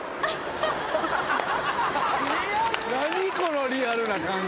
何このリアルな感じ